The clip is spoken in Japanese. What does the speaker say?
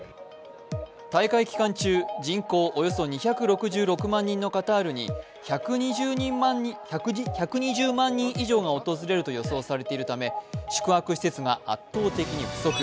大会期間中、人口およそ２６６万人のカタールに１２０万人以上が訪れると予想されているため、宿泊施設が圧倒的に不足。